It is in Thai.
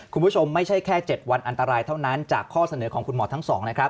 คุณผู้ชมไม่ใช่แค่๗วันอันตรายเท่านั้นจากข้อเสนอของคุณหมอทั้งสองนะครับ